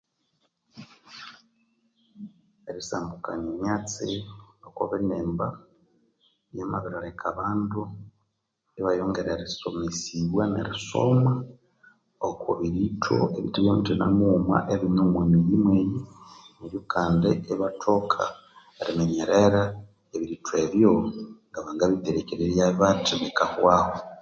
Eritsambukania emyatsi okwa binimba lyamabirileka abandu ibayongera erisomesibwa neri soma okwa biritho ebithe ebya muthina mughuma ebine omwa miyi mweyi neryo kandi lyamabirileka ibathoka eriminyerera ebiritho ebyo ngabanga biterekererya bathi bikahwaho.